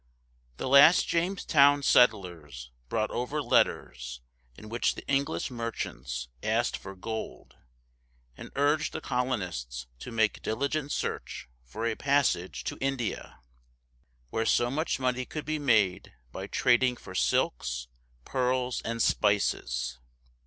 The last Jamestown settlers brought over letters in which the English merchants asked for gold, and urged the colonists to make diligent search for a passage to India, where so much money could be made by trading for silks, pearls, and spices.